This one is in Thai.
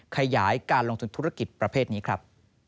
ขยายการลงทุนธุรกิจประเภทนี้ครับ